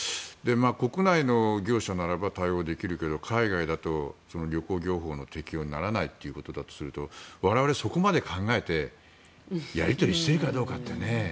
国内の業者ならば対応できるけど海外だと旅行業法の適用にならないということだと我々、そこまで考えてやり取りしているかどうかってね。